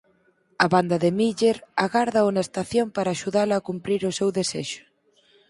A banda de Miller agárdao na estación para axudalo a cumprir o seu desexo.